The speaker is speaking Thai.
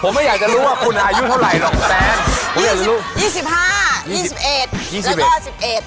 ผมไม่อยากจะรู้ว่าคุณอายุเท่าไหร่หรอกแป้นผมอยากจะรู้